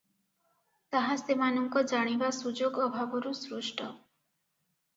ତାହା ସେମାନଙ୍କ ଜାଣିବା ସୁଯୋଗ ଅଭାବରୁ ସୃଷ୍ଟ ।